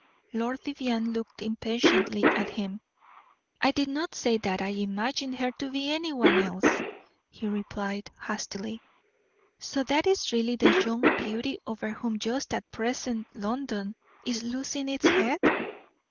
Lord Vivianne looked impatiently at him. "I did not say that I imagined her to be any one else," he replied, hastily. "So that is really the young beauty over whom just at present London is losing its head?"